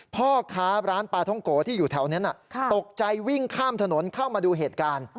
พ่อค้าร้านปลาท่องโกที่อยู่แถวนั้นตกใจวิ่งข้ามถนนเข้ามาดูเหตุการณ์